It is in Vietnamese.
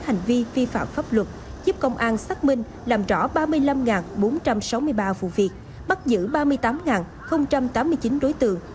hành vi vi phạm pháp luật giúp công an xác minh làm rõ ba mươi năm bốn trăm sáu mươi ba vụ việc bắt giữ ba mươi tám tám mươi chín đối tượng